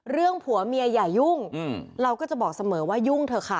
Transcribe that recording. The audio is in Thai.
ผัวเมียอย่ายุ่งเราก็จะบอกเสมอว่ายุ่งเถอะค่ะ